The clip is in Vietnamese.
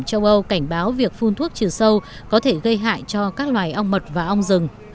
châu âu cảnh báo việc phun thuốc trừ sâu có thể gây hại cho các loài ong mật và ong rừng